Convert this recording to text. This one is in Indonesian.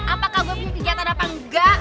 apakah gue punya kegiatan apa enggak